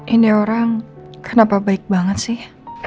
ini orang kenapa baik banget sih